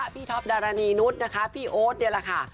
ท็อปดารณีนุษย์นะคะพี่โอ๊ตนี่แหละค่ะ